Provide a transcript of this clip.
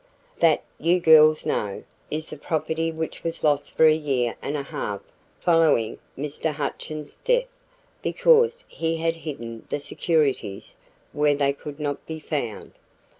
"That, you girls know, is the property which was lost for a year and a half following Mr. Hutchins' death because he had hidden the securities where they could not be found.